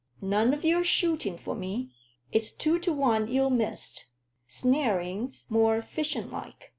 "None o' your shooting for me it's two to one you'll miss. Snaring's more fishing like.